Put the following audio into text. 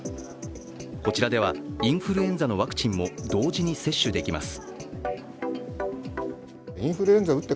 こちらでは、インフルエンザのワクチンも同時に接種できます。